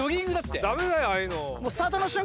駄目だよああいうの。